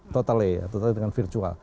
totally dengan virtual